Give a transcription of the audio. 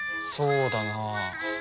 そうだな。